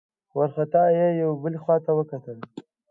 وارخطا يې يوې بلې خواته وکتل.